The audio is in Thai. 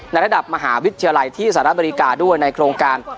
ระดับมหาวิทยาลัยที่สหรัฐอเมริกาด้วยในโครงการ